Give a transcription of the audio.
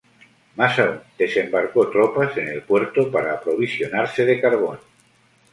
Más aun, desembarcó tropas en el puerto para aprovisionarse de carbón.